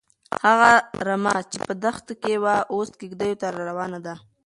هغه رمه چې په دښته کې وه، اوس کيږديو ته راروانه ده.